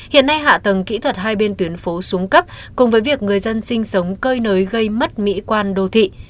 hiện nay hạ tầng kỹ thuật hai bên tuyến phố xuống cấp cùng với việc người dân sinh sống cơi nới gây mất mỹ quan đô thị